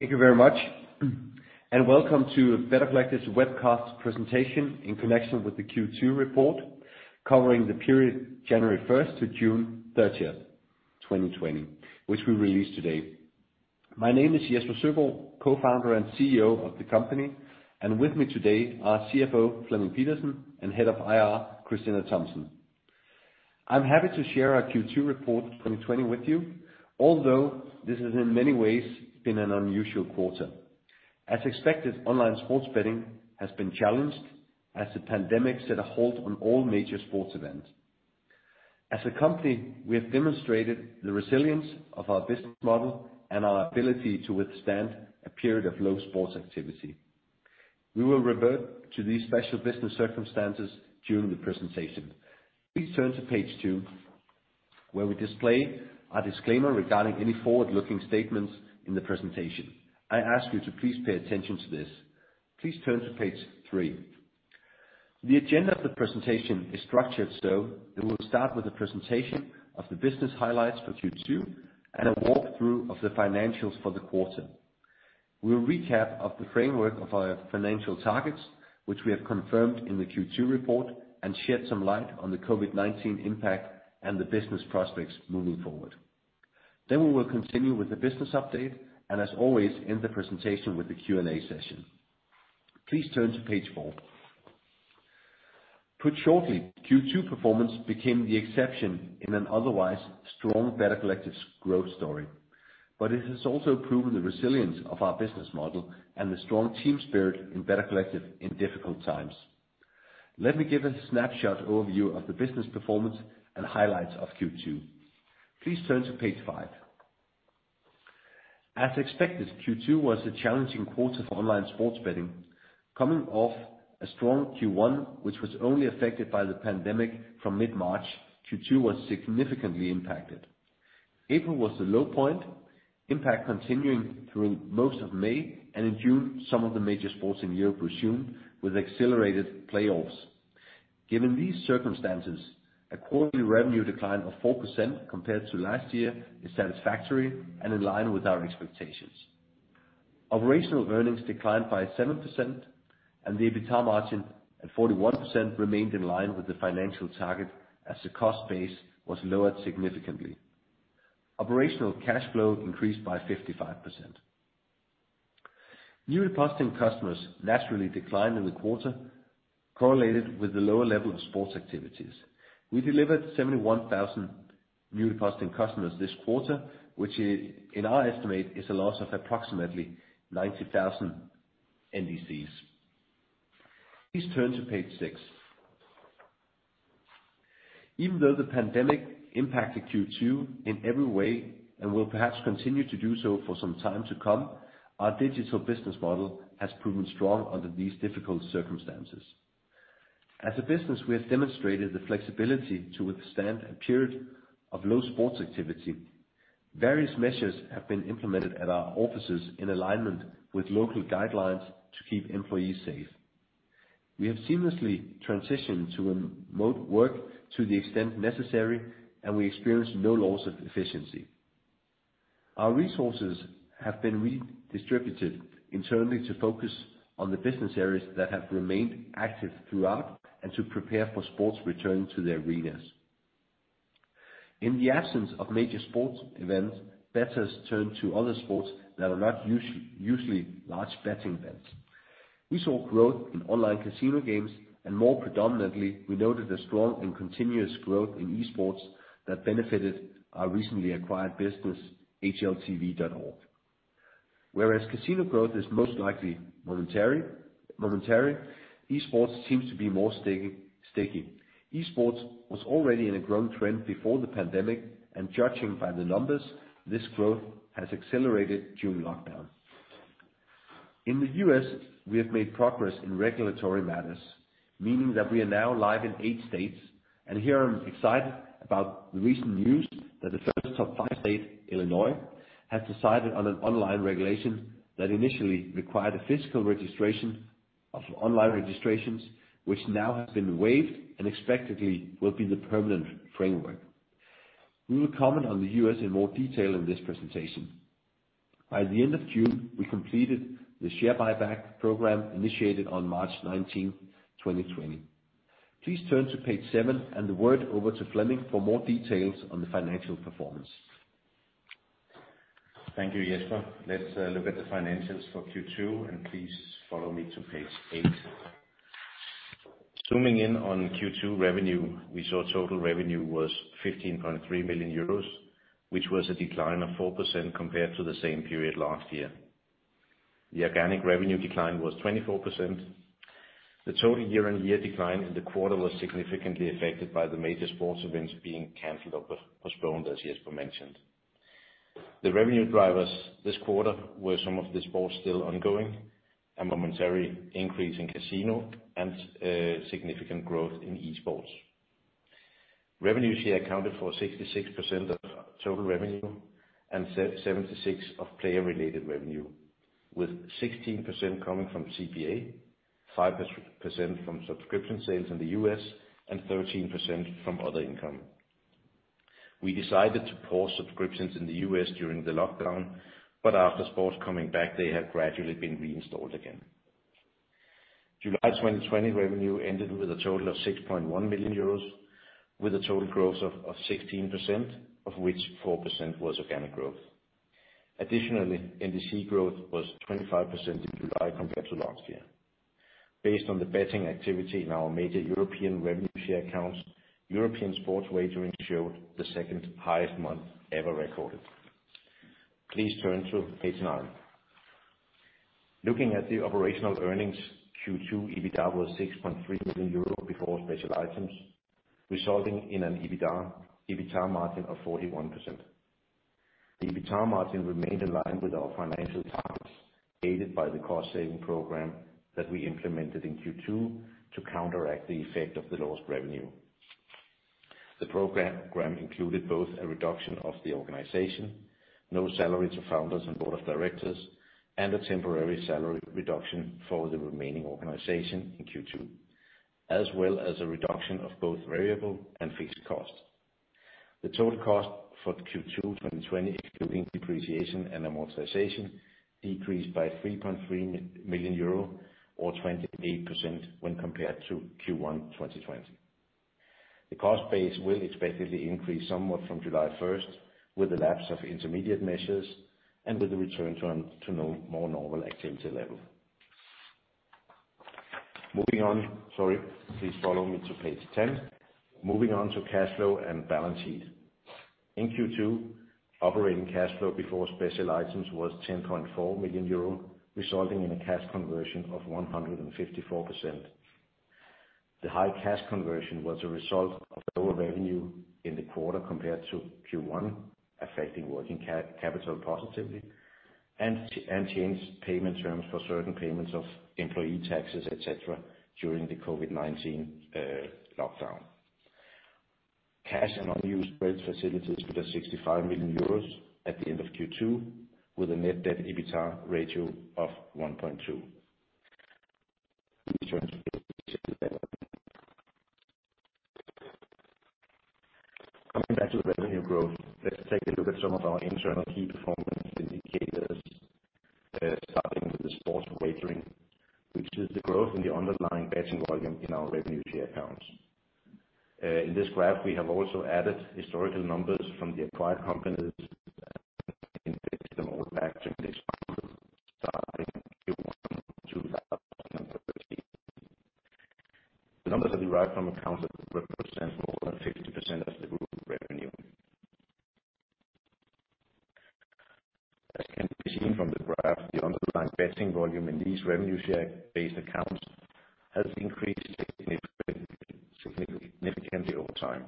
Thank you very much, and welcome to Better Collective webcast presentation in connection with the Q2 report, covering the period January 1st to June 30th, 2020, which we release today. My name is Jesper Søgaard, co-founder and CEO of the company, and with me today are CFO Flemming Pedersen and Head of IR, Christina Bastius Thomsen. I'm happy to share our Q2 report 2020 with you, although this has in many ways been an unusual quarter. As expected, online sports betting has been challenged as the pandemic set a halt on all major sports events. As a company, we have demonstrated the resilience of our business model and our ability to withstand a period of low sports activity. We will revert to these special business circumstances during the presentation. Please turn to page two, where we display our disclaimer regarding any forward-looking statements in the presentation. I ask you to please pay attention to this. Please turn to page three. The agenda of the presentation is structured so that we'll start with a presentation of the business highlights for Q2 and a walkthrough of the financials for the quarter. We'll recap of the framework of our financial targets, which we have confirmed in the Q2 report and shed some light on the COVID-19 impact and the business prospects moving forward. We will continue with the business update and as always, end the presentation with the Q&A session. Please turn to page four. Put shortly, Q2 performance became the exception in an otherwise strong Better Collective growth story, it has also proven the resilience of our business model and the strong team spirit in Better Collective in difficult times. Let me give a snapshot overview of the business performance and highlights of Q2. Please turn to page five. As expected, Q2 was a challenging quarter for online sports betting. Coming off a strong Q1, which was only affected by the pandemic from mid-March, Q2 was significantly impacted. April was the low point, impact continuing through most of May. In June, some of the major sports in Europe resumed with accelerated playoffs. Given these circumstances, a quarterly revenue decline of 4% compared to last year is satisfactory and in line with our expectations. Operational earnings declined by 7% and the EBITDA margin at 41% remained in line with the financial target as the cost base was lowered significantly. Operational cash flow increased by 55%. New depositing customers naturally declined in the quarter, correlated with the lower level of sports activities. We delivered 71,000 new depositing customers this quarter, which in our estimate is a loss of approximately 90,000 NDCs. Please turn to page six. Even though the pandemic impacted Q2 in every way and will perhaps continue to do so for some time to come, our digital business model has proven strong under these difficult circumstances. As a business, we have demonstrated the flexibility to withstand a period of low sports activity. Various measures have been implemented at our offices in alignment with local guidelines to keep employees safe. We have seamlessly transitioned to remote work to the extent necessary, and we experienced no loss of efficiency. Our resources have been redistributed internally to focus on the business areas that have remained active throughout and to prepare for sports returning to the arenas. In the absence of major sports events, bettors turned to other sports that are not usually large betting events. We saw growth in online casino games. More predominantly, we noted a strong and continuous growth in esports that benefited our recently acquired business, HLTV.org. Whereas casino growth is most likely momentary, esports seems to be more sticky. esports was already in a growing trend before the pandemic. Judging by the numbers, this growth has accelerated during lockdown. In the U.S., we have made progress in regulatory matters, meaning that we are now live in eight states. Here I'm excited about the recent news that the first of five states, Illinois, has decided on an online regulation that initially required a physical registration of online registrations, which now have been waived and expectedly will be the permanent framework. We will comment on the U.S. in more detail in this presentation. By the end of June, we completed the share buyback program initiated on March 19, 2020. Please turn to page seven, and the word over to Flemming for more details on the financial performance. Thank you, Jesper. Let's look at the financials for Q2. Please follow me to page eight. Zooming in on Q2 revenue, we saw total revenue was 15.3 million euros, which was a decline of 4% compared to the same period last year. The organic revenue decline was 24%. The total year-on-year decline in the quarter was significantly affected by the major sports events being canceled or postponed, as Jesper mentioned. The revenue drivers this quarter were some of the sports still ongoing, a momentary increase in casino and significant growth in esports. Revenues here accounted for 66% of total revenue and 76% of player-related revenue, with 16% coming from CPA, 5% from subscription sales in the U.S. and 13% from other income. We decided to pause subscriptions in the U.S. during the lockdown. After sports coming back, they have gradually been reinstalled again. July 2020 revenue ended with a total of 6.1 million euros, with a total growth of 16%, of which 4% was organic growth. Additionally, NDCs growth was 25% in July compared to last year. Based on the betting activity in our major European revenue share accounts, European sports wagering showed the second highest month ever recorded. Please turn to page nine. Looking at the operational earnings, Q2 EBITDA was 6.3 million euro before special items, resulting in an EBITDA margin of 41%. The EBITDA margin remained in line with our financial targets, aided by the cost-saving program that we implemented in Q2 to counteract the effect of the lost revenue. The program included both a reduction of the organization, no salary to founders and board of directors, and a temporary salary reduction for the remaining organization in Q2, as well as a reduction of both variable and fixed costs. The total cost for Q2 2020, including depreciation and amortization, decreased by 3.3 million euro or 28% when compared to Q1 2020. The cost base will expectedly increase somewhat from July 1st with the lapse of intermediate measures and with the return to more normal activity level. Moving on. Sorry, please follow me to page 10. Moving on to cash flow and balance sheet. In Q2, operating cash flow before special items was 10.4 million euro, resulting in a cash conversion of 154%. The high cash conversion was a result of lower revenue in the quarter compared to Q1, affecting working capital positively, and changed payment terms for certain payments of employee taxes, etc, during the COVID-19 lockdown. Cash and unused credit facilities were 65 million euros at the end of Q2, with a net debt EBITDA ratio of 1.2. Please turn to page 11. Coming back to the revenue growth, let's take a look at some of our internal key performance indicators, starting with the sports wagering, which is the growth in the underlying betting volume in our revenue share accounts. In this graph, we have also added historical numbers from the acquired companies and invested them all back during the expansion starting Q1 2013. The numbers are derived from accounts that represent more than 50% of the group revenue. As can be seen from the graph, the underlying betting volume in these revenue share base accounts has increased significantly over time,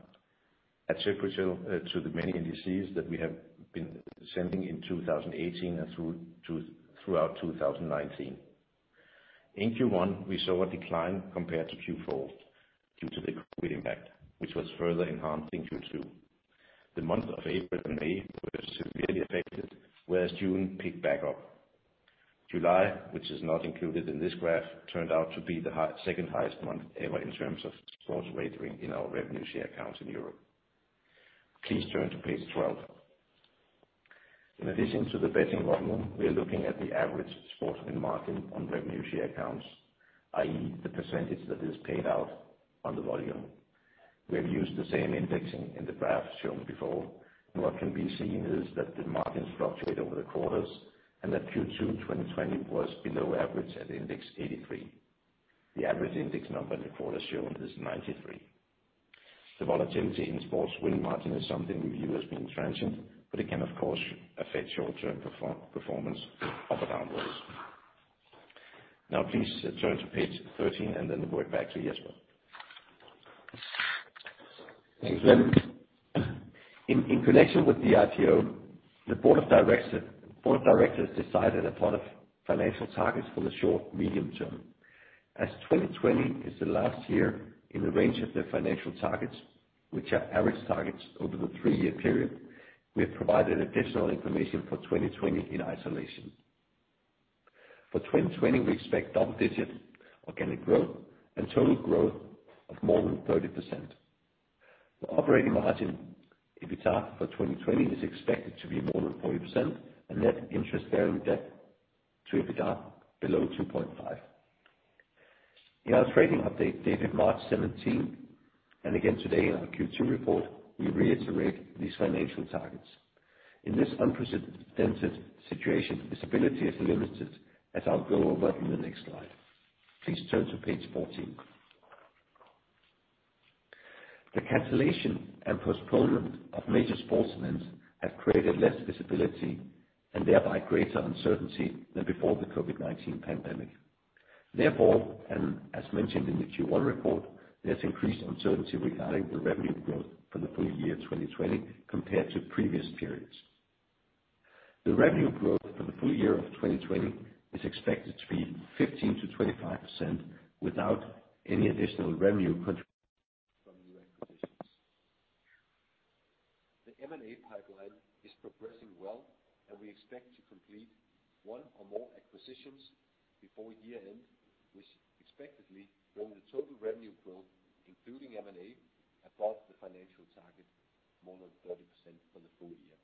attributable to the many NDCs that we have been sending in 2018 and throughout 2019. In Q1, we saw a decline compared to Q4 due to the COVID-19 impact, which was further enhanced in Q2. The month of April and May were severely affected, whereas June picked back up. July, which is not included in this graph, turned out to be the second-highest month ever in terms of sports wagering in our revenue share accounts in Europe. Please turn to page 12. In addition to the betting volume, we are looking at the average sports win margin on revenue share accounts, i.e., the percentage that is paid out on the volume. We have used the same indexing in the graphs shown before, and what can be seen is that the margins fluctuate over the quarters and that Q2 2020 was below average at index 83. The average index number in the quarter shown is 93. The volatility in sports win margin is something we view as being transient, but it can of course affect short-term performance up or downwards. Now, please turn to page 13, and then we're back to Jesper. Thank you. In connection with the IPO, the board of directors decided a part of financial targets for the short medium-term. As 2020 is the last year in the range of the financial targets, which are average targets over the three-year period, we have provided additional information for 2020 in isolation. For 2020, we expect double-digit organic growth and total growth of more than 30%. The operating margin EBITDA for 2020 is expected to be more than 40% and net interest-bearing debt to EBITDA below 2.5x. In our trading update dated March 17, and again today in our Q2 report, we reiterate these financial targets. In this unprecedented situation, visibility is limited as I'll go over in the next slide. Please turn to page 14. The cancellation and postponement of major sports events have created less visibility and thereby greater uncertainty than before the COVID-19 pandemic. As mentioned in the Q1 report, there's increased uncertainty regarding the revenue growth for the full year 2020 compared to previous periods. The revenue growth for the full year of 2020 is expected to be 15%-25% without any additional revenue contribution from new acquisitions. The M&A pipeline is progressing well, and we expect to complete one or more acquisitions Before year end, which expectedly bring the total revenue growth, including M&A, above the financial target more than 30% for the full year.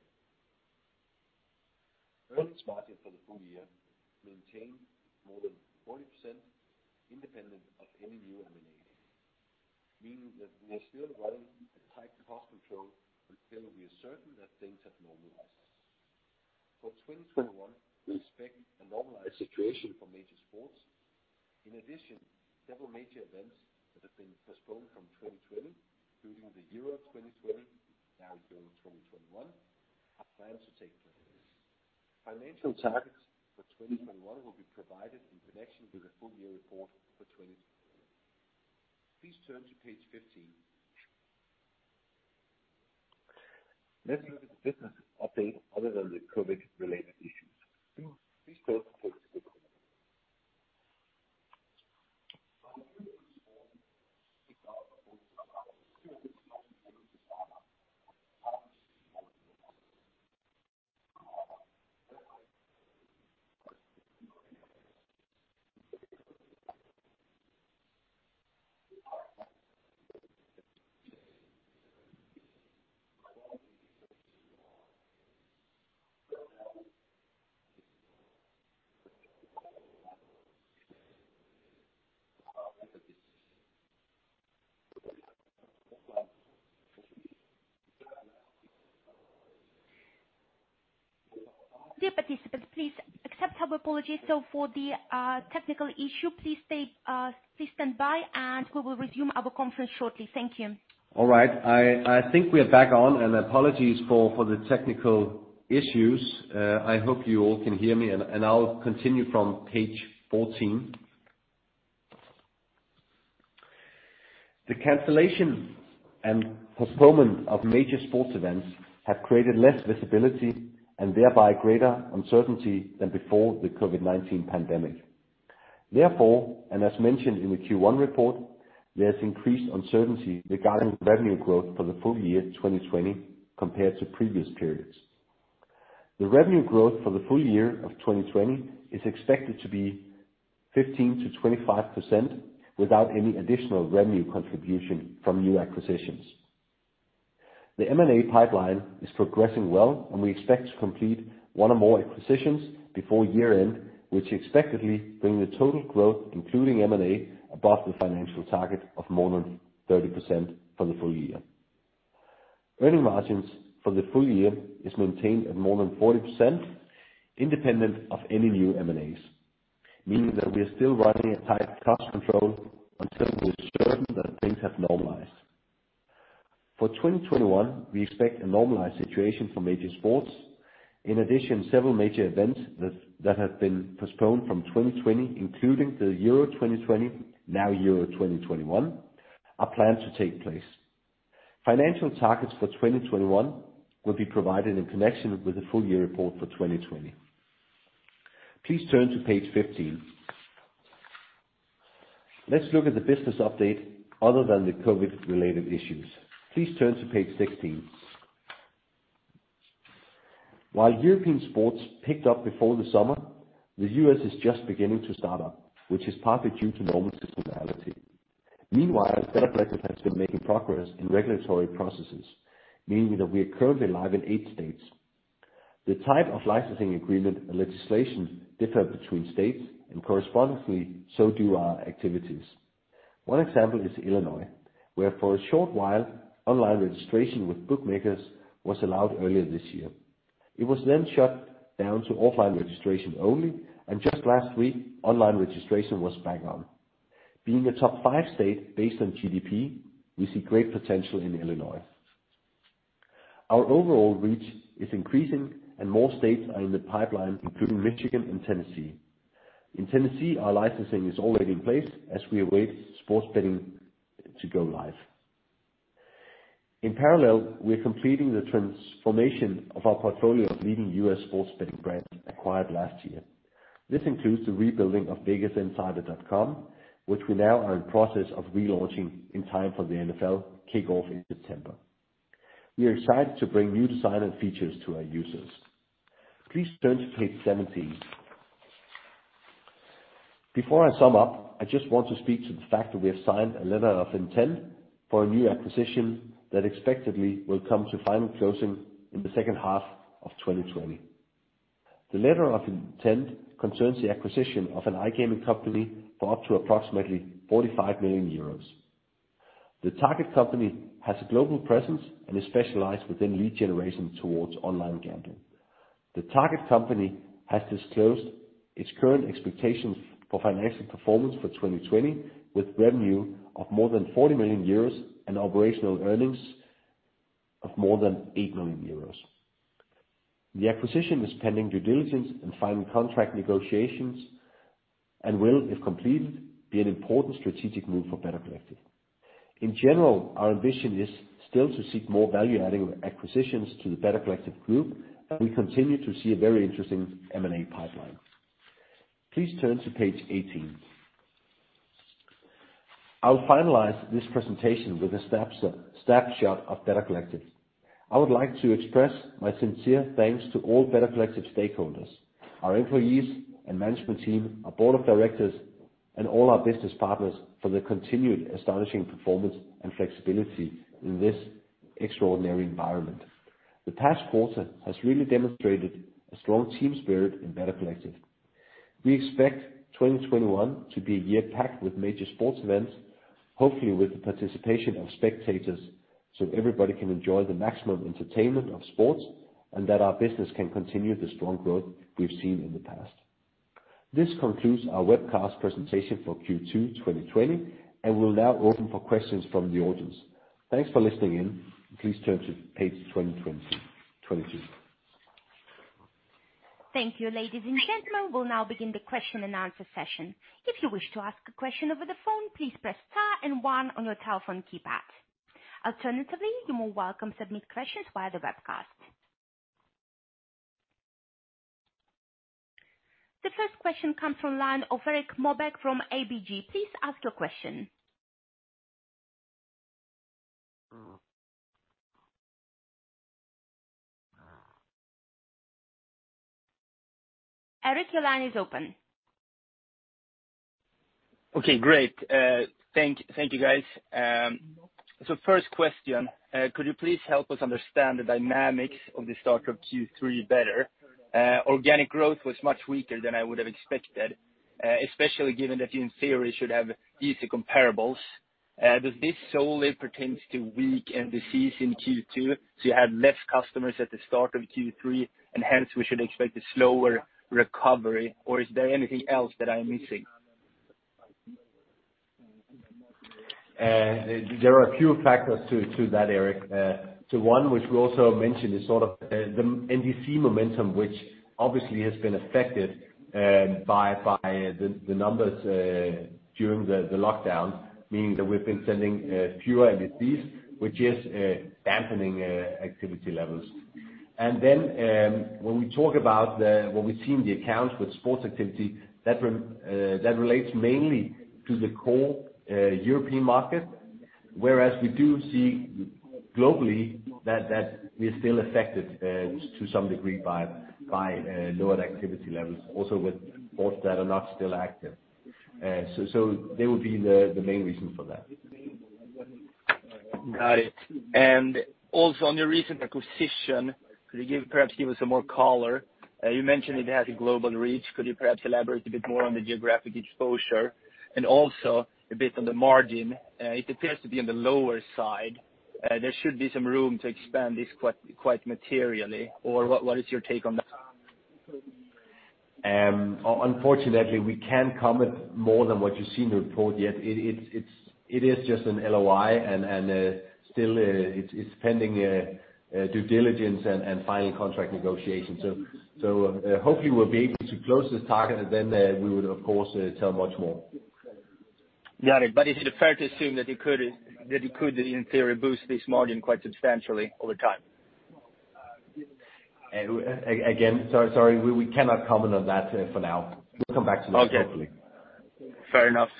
Earnings margin for the full year maintain more than 40%, independent of any new M&As, meaning that we are still running a tight cost control until we are certain that things have normalized. For 2021, we expect a normalized situation for major sports. In addition, several major events that have been postponed from 2020, including the Euro 2020, now Euro 2021, are planned to take place. Financial targets for 2021 will be provided in connection with the full-year report for 2020. Please turn to page 15. Let's look at the business update other than the COVID-related issues. Please turn to page 16. Dear participants, please accept our apologies. For the technical issue, please stand by and we will resume our conference shortly. Thank you. All right. I think we are back on and apologies for the technical issues. I hope you all can hear me, and I'll continue from page 14. The cancellation and postponement of major sports events have created less visibility and thereby greater uncertainty than before the COVID-19 pandemic. Therefore, as mentioned in the Q1 report, there's increased uncertainty regarding revenue growth for the full year 2020 compared to previous periods. The revenue growth for the full year of 2020 is expected to be 15%-25% without any additional revenue contribution from new acquisitions. The M&A pipeline is progressing well, and we expect to complete one or more acquisitions before year-end, which expectedly bring the total growth, including M&A, above the financial target of more than 30% for the full year. Earning margins for the full year is maintained at more than 40%, independent of any new M&As, meaning that we are still running a tight cost control until we are certain that things have normalized. For 2021, we expect a normalized situation for major sports. In addition, several major events that have been postponed from 2020, including the Euro 2020, now Euro 2021, are planned to take place. Financial targets for 2021 will be provided in connection with the full-year report for 2020. Please turn to page 15. Let's look at the business update other than the COVID-related issues. Please turn to page 16. While European sports picked up before the summer, the U.S. is just beginning to start up, which is partly due to normal seasonality. Meanwhile, Better Collective has been making progress in regulatory processes, meaning that we are currently live in eight states. The type of licensing agreement and legislation differ between states and correspondingly, so do our activities. One example is Illinois, where for a short while, online registration with bookmakers was allowed earlier this year. It was then shut down to offline registration only, and just last week, online registration was back on. Being a top five state based on GDP, we see great potential in Illinois. Our overall reach is increasing and more states are in the pipeline, including Michigan and Tennessee. In Tennessee, our licensing is already in place as we await sports betting to go live. In parallel, we're completing the transformation of our portfolio of leading U.S. sports betting brands acquired last year. This includes the rebuilding of vegasinsider.com, which we now are in process of relaunching in time for the NFL kickoff in September. We are excited to bring new design and features to our users. Please turn to page 17. Before I sum up, I just want to speak to the fact that we have signed a letter of intent for a new acquisition that expectedly will come to final closing in the second half of 2020. The letter of intent concerns the acquisition of an iGaming company for up to approximately 45 million euros. The target company has a global presence and is specialized within lead generation towards online gambling. The target company has disclosed its current expectations for financial performance for 2020, with revenue of more than 40 million euros and operational earnings of more than 8 million euros. The acquisition is pending due diligence and final contract negotiations and will, if completed, be an important strategic move for Better Collective. In general, our ambition is still to seek more value-adding acquisitions to the Better Collective group, and we continue to see a very interesting M&A pipeline. Please turn to page 18. I'll finalize this presentation with a snapshot of Better Collective. I would like to express my sincere thanks to all Better Collective stakeholders, our employees and management team, our board of directors, and all our business partners for their continued astonishing performance and flexibility in this extraordinary environment. The past quarter has really demonstrated a strong team spirit in Better Collective. We expect 2021 to be a year packed with major sports events, hopefully with the participation of spectators, so everybody can enjoy the maximum entertainment of sports, and that our business can continue the strong growth we've seen in the past. This concludes our webcast presentation for Q2 2020, and we'll now open for questions from the audience. Thanks for listening in. Please turn to page 20, 22. Thank you, ladies and gentlemen, we'll now begin the question and answer session. If you wish to ask a question over the phone, please press star and one on your telephone keypad. Alternatively, you are welcome to submit questions via the webcast. The first question comes from line of Erik Mobekk from ABG. Please ask your question. Erik, your line is open. Okey great. Thank you guys. First question, could you please help us understand the dynamics of the start of Q3 better? Organic growth was much weaker than I would have expected, especially given that you, in theory, should have easy comparables. Does this solely pertain to weak NDCs in Q2, so you had less customers at the start of Q3, and hence we should expect a slower recovery, or is there anything else that I'm missing? There are a few factors to that, Erik. One, which we also mentioned, is sort of the NDC momentum, which obviously has been affected by the numbers during the lockdown, meaning that we've been sending fewer NDCs, which is dampening activity levels. When we talk about what we see in the accounts with sports activity, that relates mainly to the core European market, whereas we do see globally that we are still affected to some degree by lower activity levels, also with sports that are not still active. They would be the main reason for that. Got it. Also on your recent acquisition, could you perhaps give us some more color? You mentioned it has a global reach. Could you perhaps elaborate a bit more on the geographic exposure and also a bit on the margin? It appears to be on the lower side. There should be some room to expand this quite materially, or what is your take on that? Unfortunately, we can't comment more than what you see in the report yet. It is just an LOI and still it's pending due diligence and final contract negotiation. Hopefully we'll be able to close this target and then we would, of course, tell much more. Got it. Is it fair to assume that it could, in theory, boost this margin quite substantially over time? Again, sorry, we cannot comment on that for now. We'll come back to that shortly. Okay. Fair enough.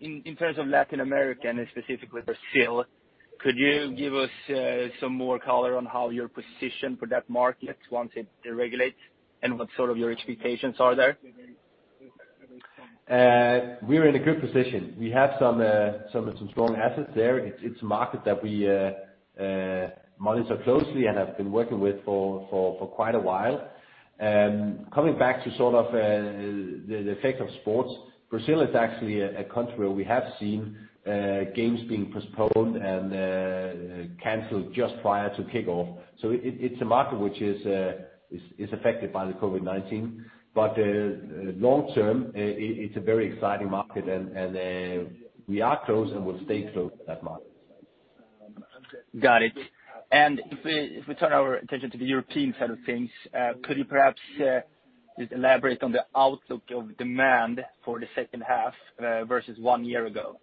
In terms of Latin America, and specifically Brazil, could you give us some more color on how you're positioned for that market once it regulates, and what sort of your expectations are there? We're in a good position. We have some strong assets there. It's a market that we monitor closely and have been working with for quite a while. Coming back to sort of the effect of sports, Brazil is actually a country where we have seen games being postponed and canceled just prior to kickoff. It's a market which is affected by the COVID-19. Long term, it's a very exciting market, and we are close and will stay close to that market. Got it. If we turn our attention to the European side of things, could you perhaps just elaborate on the outlook of demand for the second half versus one year ago?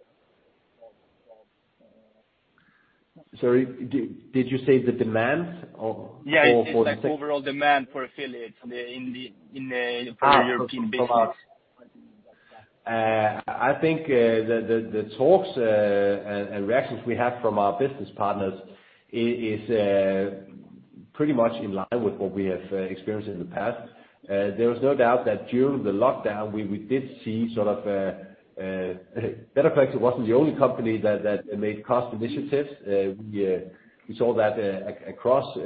Sorry, did you say the demand? Yeah, like overall demand for affiliates in the European business. I think the talks and reactions we have from our business partners is pretty much in line with what we have experienced in the past. There is no doubt that during the lockdown, we did see Better Collective wasn't the only company that made cost initiatives. We saw that across.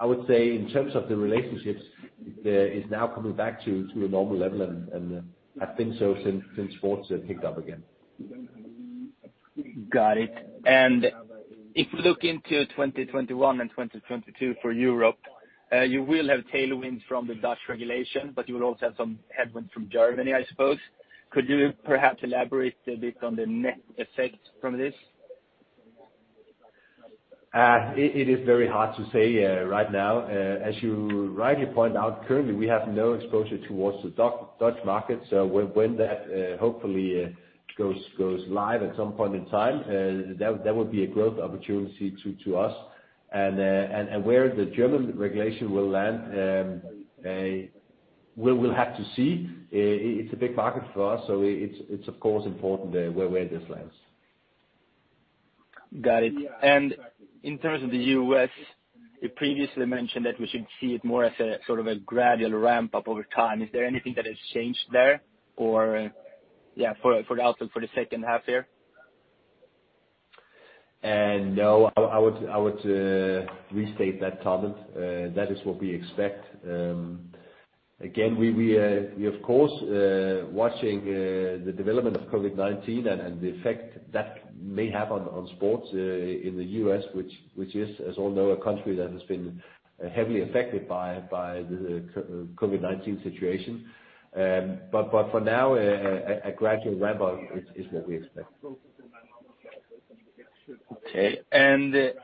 I would say in terms of the relationships, it's now coming back to a normal level, and I think so since sports have picked up again. Got it. If we look into 2021 and 2022 for Europe, you will have tailwinds from the Dutch regulation, but you will also have some headwind from Germany, I suppose. Could you perhaps elaborate a bit on the net effect from this? It is very hard to say right now. As you rightly point out, currently we have no exposure towards the Dutch market. When that hopefully goes live at some point in time, that would be a growth opportunity to us. Where the German regulation will land, we'll have to see. It's a big market for us, so it's of course important where this lands. Got it. Yeah, exactly. In terms of the U.S., you previously mentioned that we should see it more as a gradual ramp up over time. Is there anything that has changed there? Yeah, for the outlook for the second half there? No, I would restate that comment. That is what we expect. Again, we of course, watching the development of COVID-19 and the effect that may have on sports in the U.S. which is, as we all know, a country that has been heavily affected by the COVID-19 situation. For now, a gradual ramp up is what we expect. Okay. It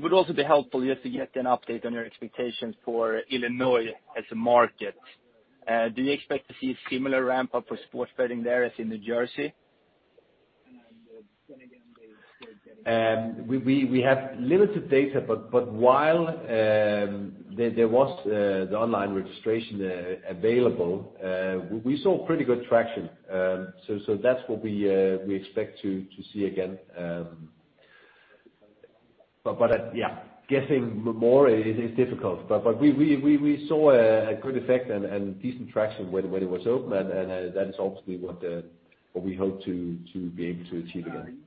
would also be helpful just to get an update on your expectations for Illinois as a market. Do you expect to see a similar ramp-up for sports betting there as in New Jersey? We have limited data, but while there was the online registration available, we saw pretty good traction. That's what we expect to see again. Yeah, guessing more is difficult. We saw a good effect and decent traction when it was open, and that is obviously what we hope to be able to achieve again.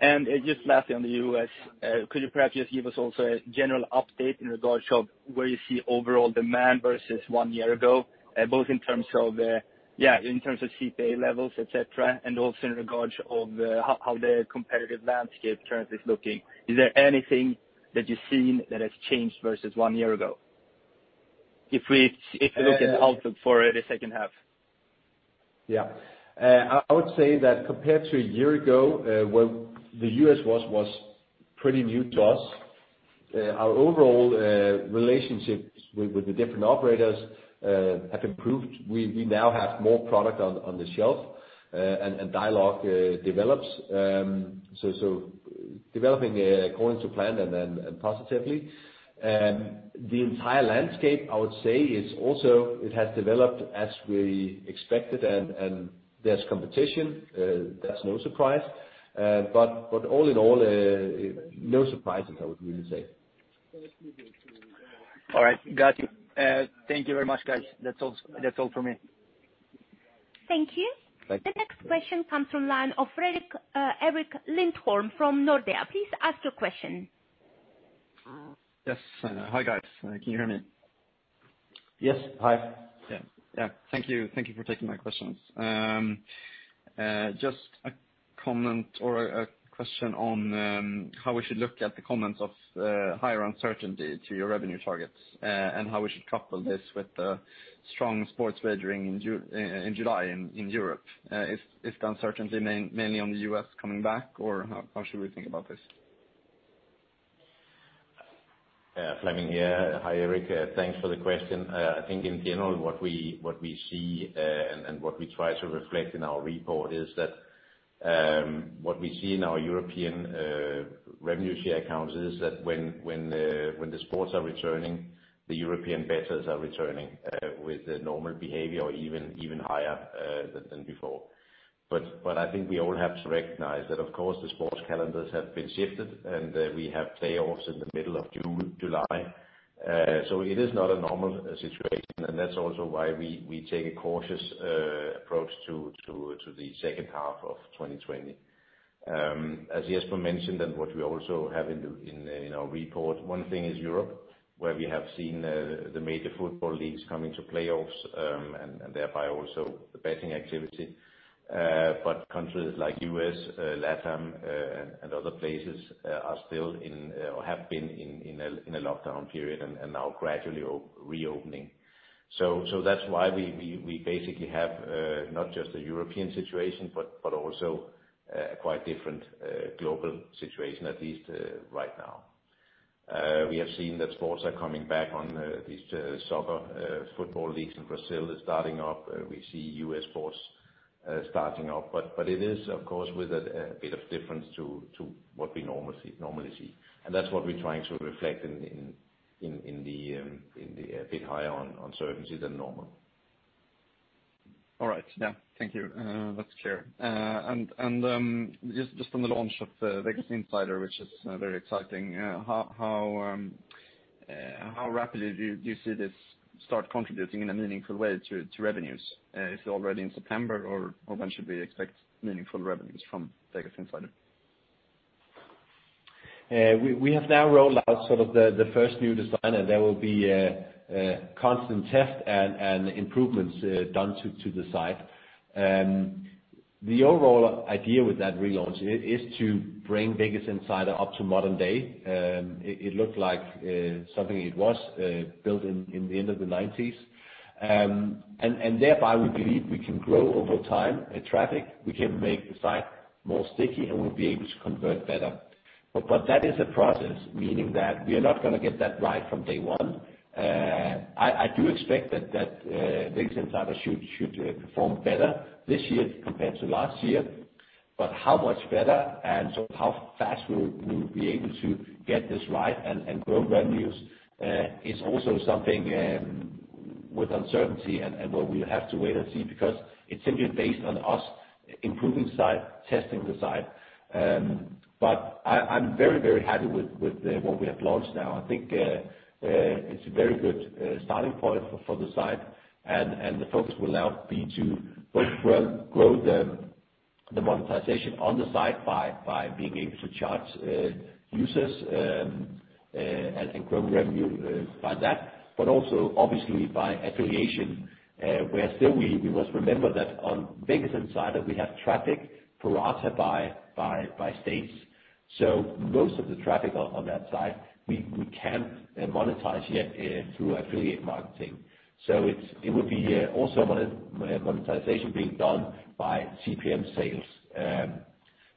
Fair enough. Just lastly on the U.S., could you perhaps just give us also a general update in regards of where you see overall demand versus one year ago, both in terms of the, yeah, in terms of CPA levels, et cetera, and also in regards of how the competitive landscape trends is looking. Is there anything that you've seen that has changed versus one year ago? If we look at the outlook for the second half. I would say that compared to a year ago, where the U.S. was pretty new to us, our overall relationships with the different operators have improved. We now have more product on the shelf and dialogue develops. Developing according to plan and positively. The entire landscape, I would say is also, it has developed as we expected and there's competition, that's no surprise. All in all, no surprises, I would really say. All right. Got it. Thank you very much, guys. That's all from me. Thank you. Thank you. The next question comes from line of Hans-Erik Lind from Nordea. Please ask your question. Yes. Hi, guys. Can you hear me? Yes. Hi. Yeah. Thank you for taking my questions. Just a comment or a question on how we should look at the comments of higher uncertainty to your revenue targets, and how we should couple this with the strong sports wagering in July in Europe. Is the uncertainty mainly on the U.S. coming back, or how should we think about this? Flemming here. Hi, Erik. Thanks for the question. I think in general, what we see and what we try to reflect in our report is that, what we see in our European revenue share accounts is that when the sports are returning, the European bettors are returning with the normal behavior or even higher than before. I think we all have to recognize that of course the sports calendars have been shifted, and we have playoffs in the middle of July. It is not a normal situation, and that's also why we take a cautious approach to the second half of 2020. As Jesper mentioned and what we also have in our report, one thing is Europe, where we have seen the major football leagues coming to playoffs, and thereby also the betting activity. Countries like U.S., LATAM, and other places are still in, or have been in a lockdown period and now gradually are reopening. That's why we basically have not just a European situation, but also a quite different global situation, at least right now. We have seen that sports are coming back on these soccer football leagues in Brazil are starting up. We see U.S. sports starting up. It is, of course, with a bit of difference to what we normally see. That's what we're trying to reflect in the bit higher uncertainty than normal. All right. Yeah. Thank you. That's clear. Just on the launch of Vegas Insider, which is very exciting, how rapidly do you see this start contributing in a meaningful way to revenues? Is it already in September or when should we expect meaningful revenues from Vegas Insider? We have now rolled out sort of the first new design, and there will be constant tests and improvements done to the site. The overall idea with that relaunch is to bring Vegas Insider up to modern day. It looked like something it was, built in the end of the 1990s. Thereby we believe we can grow over time traffic, we can make the site more sticky, and we'll be able to convert better. That is a process, meaning that we are not going to get that right from day one. I do expect that Vegas Insider should perform better this year compared to last year. How much better and how fast we will be able to get this right and grow revenues is also something with uncertainty and where we have to wait and see, because it's simply based on us improving site, testing the site. I'm very happy with what we have launched now. I think it's a very good starting point for the site, and the focus will now be to both grow the monetization on the site by being able to charge users and grow revenue by that, but also obviously by affiliation. Still we must remember that on Vegas Insider, we have traffic prorated by states. Most of the traffic on that site we can't monetize yet through affiliate marketing. It would be also monetization being done by CPM sales.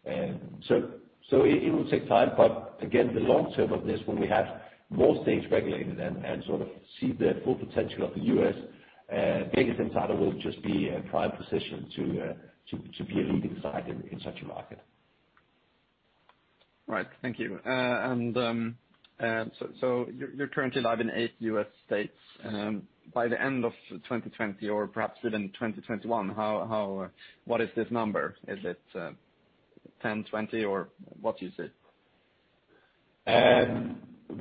It will take time, but again, the long-term of this, when we have more states regulated and sort of see the full potential of the U.S., Vegas Insider will just be a prime position to be a leading site in such a market. Right. Thank you. You're currently live in eight U.S. states. By the end of 2020 or perhaps even 2021, what is this number? Is it 10, 20, or what is it?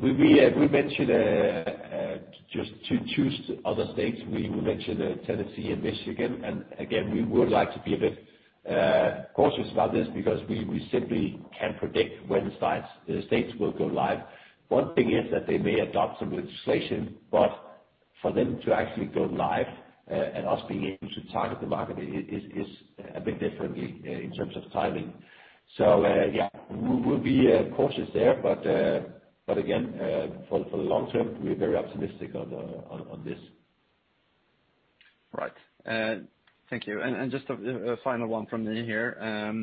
We mentioned just to choose other states. We mentioned Tennessee and Michigan. Again, we would like to be a bit cautious about this because we simply can't predict when the states will go live. One thing is that they may adopt some legislation, but for them to actually go live and us being able to target the market is a bit differently in terms of timing. Yeah, we'll be cautious there. Again, for the long term, we're very optimistic on this. Right. Thank you. Just a final one from me here.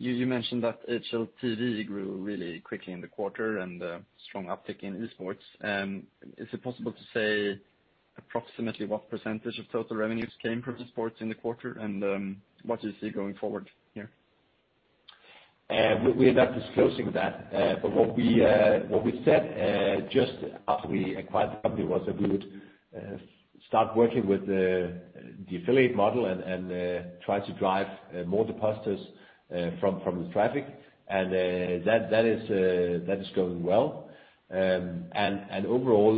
You mentioned that HLTV grew really quickly in the quarter and a strong uptick in esports. Is it possible to say approximately what percentage of total revenues came from esports in the quarter and what you see going forward here? We're not disclosing that. What we said just after we acquired the company was that we would start working with the affiliate model and try to drive more depositors from the traffic. That is going well. Overall,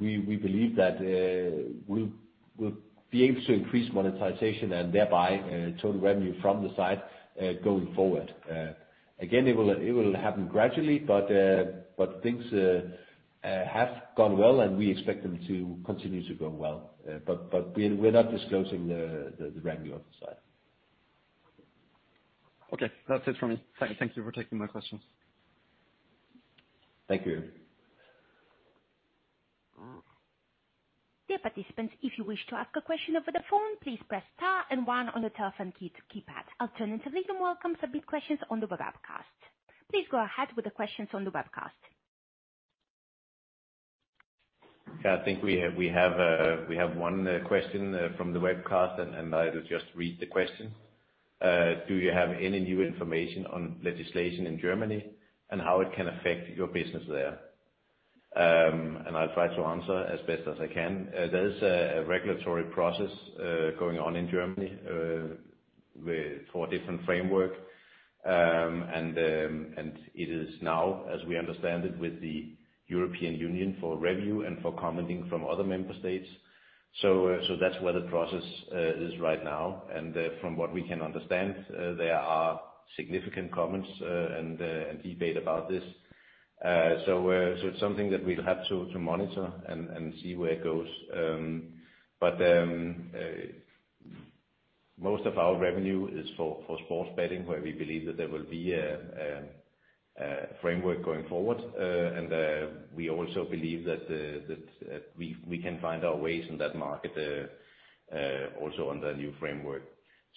we believe that we'll be able to increase monetization and thereby total revenue from the site going forward. Again, it will happen gradually, but things have gone well, and we expect them to continue to go well. We're not disclosing the revenue of the site. Okay. That's it from me. Thank you for taking my questions. Thank you. Dear participants, if you wish to ask a question over the phone, please press star and one on the telephone keypad. Alternatively, you're welcome to submit questions on the webcast. Please go ahead with the questions on the webcast. Yeah, I think we have one question from the webcast. I will just read the question. Do you have any new information on legislation in Germany and how it can affect your business there? I'll try to answer as best as I can. There is a regulatory process going on in Germany for a different framework. It is now, as we understand it, with the European Union for review and for commenting from other member states. That's where the process is right now. From what we can understand, there are significant comments and debate about this. It's something that we'll have to monitor and see where it goes. Most of our revenue is for sports betting, where we believe that there will be a framework going forward. We also believe that we can find our ways in that market also under the new framework.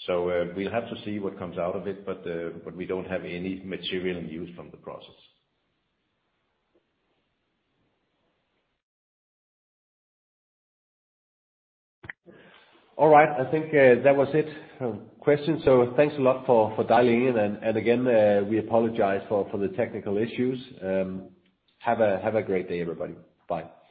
We'll have to see what comes out of it, but we don't have any material news from the process. All right. I think that was it for questions. Thanks a lot for dialing in. Again, we apologize for the technical issues. Have a great day, everybody. Bye.